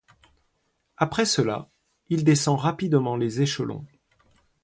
Après cela, il descend rapidement les échelons.